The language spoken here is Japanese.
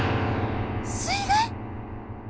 水害？